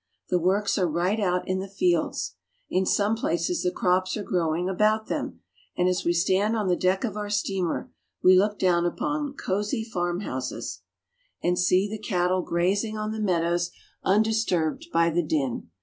The works are right out in the fields. In some places the crops are growing about them, and as we stand on the deck of our steamer, we look down upon cozy farmhouses, and see 34 SCOTLAND. the cattle grazing on the meadows undisturbed by the din.